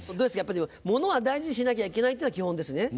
ものは大事にしなきゃいけないっていうのが基本ですね。